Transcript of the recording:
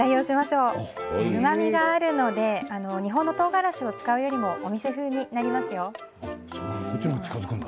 うまみがあるので日本のとうがらしを使うよりもお店風になります。